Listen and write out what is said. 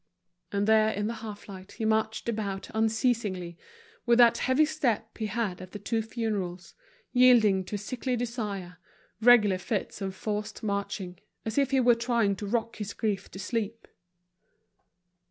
And there in the half light he marched about unceasingly, with that heavy step he had at the two funerals, yielding to a sickly desire, regular fits of forced marching, as if he were trying to rock his grief to sleep.